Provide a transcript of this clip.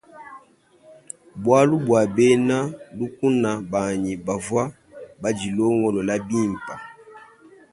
Bualu bua bena lukuna banyi bavua badilongolole bimpe.